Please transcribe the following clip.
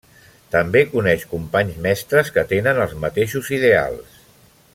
També coneix companys mestres que tenen els mateixos ideals.